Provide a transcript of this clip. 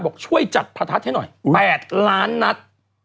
บอกช่วยจัดประทัดให้หน่อย๘ล้านนัด